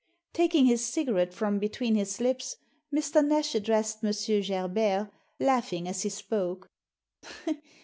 Taking his cigarette from between his lips Mr. Nash addressed M. Gerbert, laughing as he spoke.